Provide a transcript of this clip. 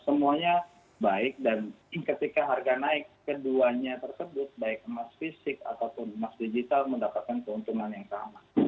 semuanya baik dan ketika harga naik keduanya tersebut baik emas fisik ataupun emas digital mendapatkan keuntungan yang sama